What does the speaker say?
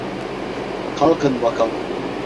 Kalkın bakalım.